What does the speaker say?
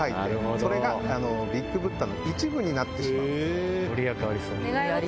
それがビッグブッダの一部になってしまう。